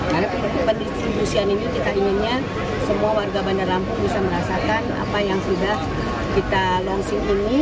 karena pendistribusian ini kita inginnya semua warga bandar lampung bisa merasakan apa yang sudah kita lansir ini